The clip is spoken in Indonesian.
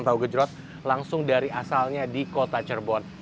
tahu gejrot langsung dari asalnya di kota cirebon